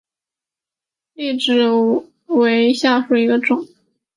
痢止蒿为唇形科筋骨草属下的一个种。